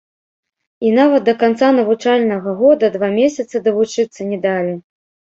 І нават да канца навучальнага года два месяцы давучыцца не далі!